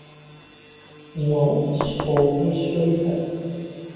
Tzemreḍ ad d-tessefruḍ tamsefrut-a?